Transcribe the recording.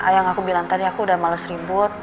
yang aku bilang tadi aku udah males ribut